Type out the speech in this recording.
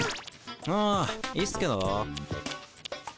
あいいっすけど。